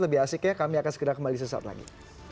lebih asik ya kami akan segera kembali sesaat lagi